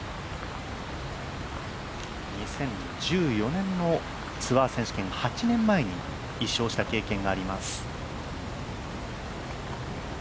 ２０１４年のツアー選手権８年前に１勝をした経験があります。